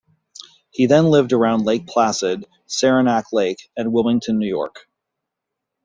He then lived around Lake Placid, Saranac Lake, and Wilmington, New York.